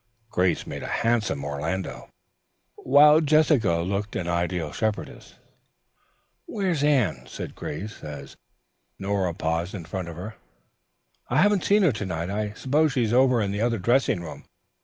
Grace made a handsome Orlando, while Jessica looked an ideal shepherdess. "Where's Anne?" said Grace as Nora paused in front of her. "I haven't see her to night. I suppose she's over in the other dressing room.